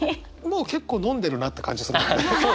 もう結構飲んでるなって感じするもんね。